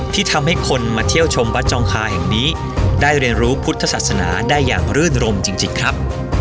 ที่ทำให้คนมาเที่ยวชมวัดจองคาแห่งนี้ได้เรียนรู้พุทธศาสนาได้อย่างรื่นรมจริงครับ